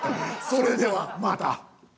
それではまた。